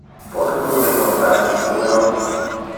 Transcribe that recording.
Pote tu reguardar le pueros?